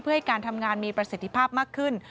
เพื่อให้การทำงานมีประสิทธิภาพมากขึ้น